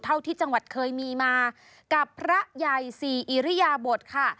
เท่าที่จังหวัดเคยมีมากับพระใหญ่ศรีอิริยบทค่ะ